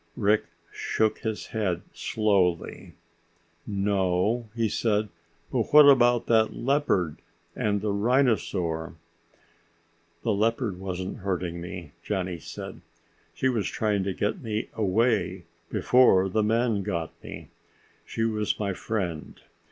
Rick shook his head slowly. "No," he said, "but what about that leopard and the rhinosaur?" "The leopard wasn't hurting me," Johnny said. "She was trying to get me away before the men got me. She was my friend.